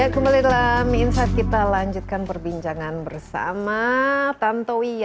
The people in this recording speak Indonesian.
kembali dalam insight kita lanjutkan perbincangan bersama tantowi